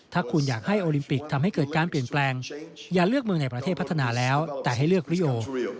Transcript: ถ้าคุณอยากให้โอลิมปิกทำให้เกิดการเปลี่ยนแปลงอย่าเลือกเมืองในประเทศพัฒนาแล้วแต่ให้เลือกริโอ